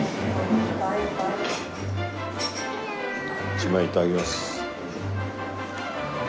１枚いただきます。